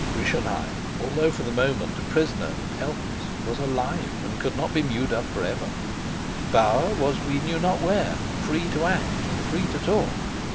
Rischenheim, although for the moment a prisoner and helpless, was alive and could not be mewed up for ever; Bauer was we knew not where, free to act and free to talk.